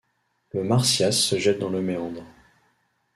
Le Marsyas se jette dans le Méandre.